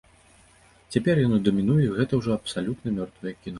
Цяпер яно дамінуе, і гэта ўжо абсалютна мёртвае кіно.